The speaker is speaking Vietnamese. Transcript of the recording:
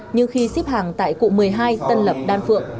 nhưng khi xếp hàng tại cụ một mươi hai tân lập đan phượng